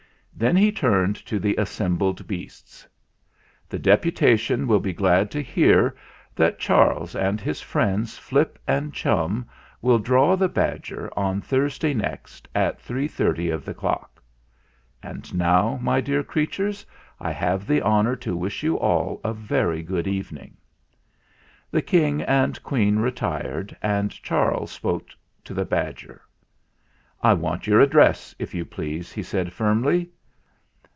Then he turned to the assembled beasts : "The Deputation will be glad to hear that Charles and his friends Flip and Chum will draw the badger on Thursday next, at three thirty of the clock. And now, my dear crea tures, I have the honour to wish you all a very good evening!" The King and Queen retired, and Charles spoke to the badger. "I want your address, if you please," he said firmly.